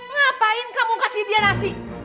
ngapain kamu kasih dia nasi